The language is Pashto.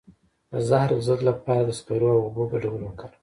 د زهرو د ضد لپاره د سکرو او اوبو ګډول وکاروئ